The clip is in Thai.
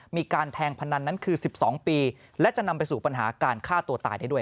มีการแทงพนันนั้นคือ๑๒ปีและจะนำไปสู่ปัญหาการฆ่าตัวตายได้ด้วย